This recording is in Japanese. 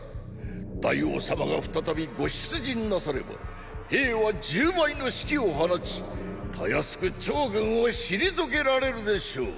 大王様が再びご出陣なされば兵は十倍の士気を放ちたやすく趙軍を退けられるでしょう。